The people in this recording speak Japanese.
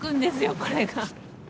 これが。